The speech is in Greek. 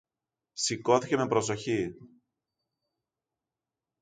Σηκώθηκε με προσοχή